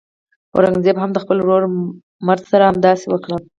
اورنګزېب هم د خپل ورور مراد سره همداسې وکړ.